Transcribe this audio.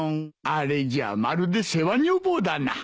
あれじゃまるで世話女房だな。